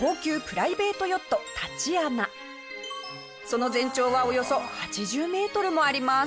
その全長はおよそ８０メートルもあります。